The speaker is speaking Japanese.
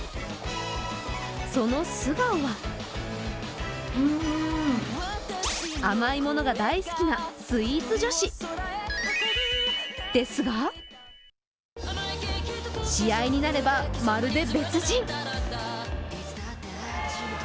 その素顔は甘いものが大好きなスイーツ女子ですが試合になればまるで別人。